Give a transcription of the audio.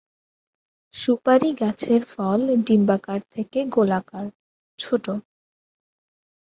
সুপারি গাছের ফল ডিম্বাকার থেকে গোলাকার, ছোট।